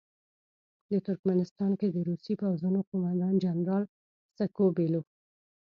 د ترکمنستان کې د روسي پوځونو قوماندان جنرال سکو بیلوف.